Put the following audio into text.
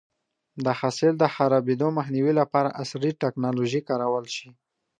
د حاصل د خرابېدو مخنیوی لپاره عصري ټکنالوژي کارول شي.